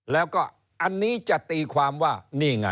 แล้วก็อันนี้จะตีความว่านี่ไง